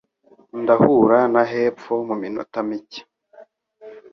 Ndahura na hepfo muminota mike.